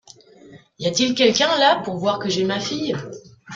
Y a-t-il quelqu’un là pour voir que j’ai ma fille?